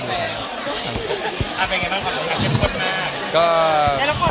คุณค่ะ